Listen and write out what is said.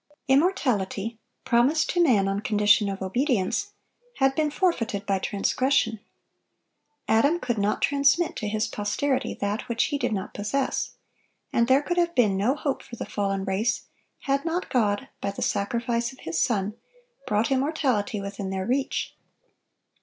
Immortality, promised to man on condition of obedience, had been forfeited by transgression. Adam could not transmit to his posterity that which he did not possess; and there could have been no hope for the fallen race had not God, by the sacrifice of His Son, brought immortality within their reach.